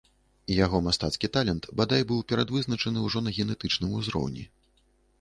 Яго мастацкі талент, бадай, быў прадвызначаны ўжо на генетычным узроўні.